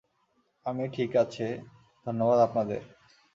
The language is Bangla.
আমি ঠিক আছে, ধন্যবাদ আপনাদের!